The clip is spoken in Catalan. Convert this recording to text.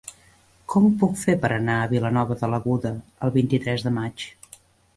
Com ho puc fer per anar a Vilanova de l'Aguda el vint-i-tres de maig?